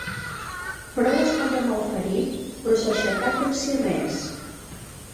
Prou estava malferit, però s'aixecà com si res.